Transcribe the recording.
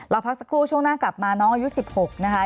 พักสักครู่ช่วงหน้ากลับมาน้องอายุ๑๖นะคะ